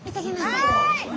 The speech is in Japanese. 「はい。